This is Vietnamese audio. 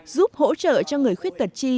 giúp hỗ trợ cho người khuyết tật chi